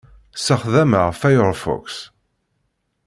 Ssexdameɣ Firefox.